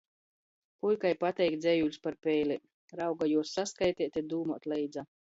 Puikai pateik dzejūļs par peilem, rauga juos saskaiteit i dūmuot leidza.